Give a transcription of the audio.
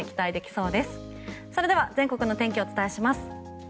それでは全国の天気をお伝えします。